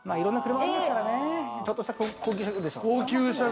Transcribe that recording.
ちょっとした高級車くらいでしょう。